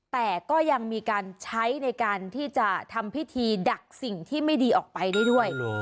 แต่ก็ยังมีการใช้ในการที่จะทำพิธีดักสิ่งที่ไม่ดีออกไปได้ด้วย